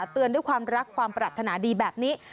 เตือนด้วยความรักความปรารถนาดีแบบนี้